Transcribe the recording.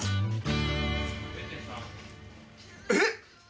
えっ！？